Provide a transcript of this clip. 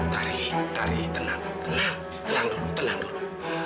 tarik tarik tenang tenang tenang dulu tenang dulu